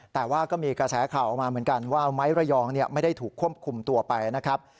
แต่ว่าก็มีกระแสข่าวออกมาเหมือนกันว่าไม้ระยองไม่ได้ถูกควบคุมตัวไปนะครับ